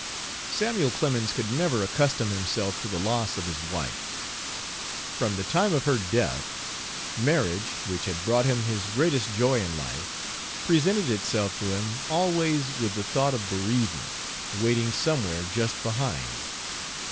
Samuel Clemens could never accustom himself to the loss of his wife. From the time of her death, marriage which had brought him his greatest joy in life presented itself to him always with the thought of bereavement, waiting somewhere just behind.